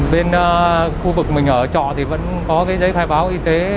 bên khu vực mình ở trọ thì vẫn có cái giấy khai báo y tế